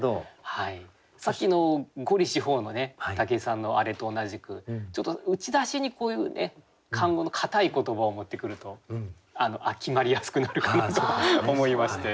さっきの「五里四方」の武井さんのあれと同じくちょっと打ち出しにこういう漢語のかたい言葉を持ってくると決まりやすくなるかなと思いまして。